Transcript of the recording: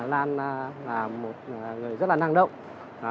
lan là một người rất là năng động